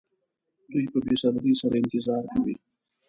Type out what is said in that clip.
دوی په بې صبرۍ سره انتظار کوي.